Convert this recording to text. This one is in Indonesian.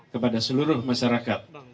kepada seluruh masyarakat